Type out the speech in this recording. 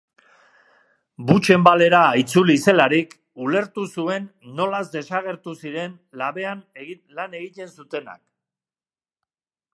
Buchenwald-era itzuli zelarik ulertu zuen nolaz desagertu ziren labean lan egiten zutenak.